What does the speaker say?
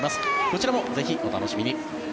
こちらもぜひお楽しみに。